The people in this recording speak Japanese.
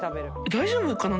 大丈夫かな？